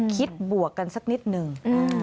คิดบวกกันสักนิดหนึ่ง